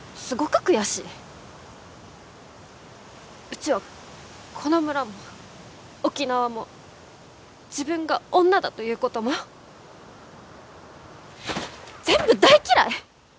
うちはこの村も沖縄も自分が女だということも全部大嫌い！